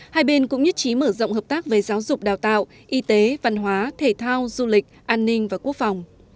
hai bên cũng nhất trí mở rộng hợp tác về giáo dục đào tạo y tế văn hóa thể thao du lịch an ninh và quốc phòng